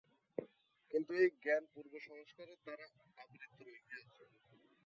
কিন্তু এই জ্ঞান পূর্বসংস্কারের দ্বারা আবৃত রহিয়াছে।